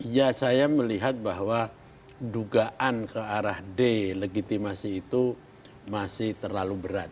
ya saya melihat bahwa dugaan ke arah delegitimasi itu masih terlalu berat